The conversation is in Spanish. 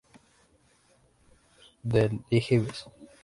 The Hives